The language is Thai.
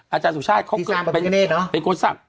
อาจารย์สุชาติเป็นคนสร้าง